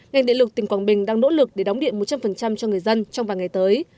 ngành điện lực tỉnh quảng bình đang nỗ lực để đóng điện một trăm linh cho người dân trong vài ngày tới